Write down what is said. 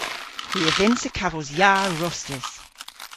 Hwi a vynnsa kavos yar rostys.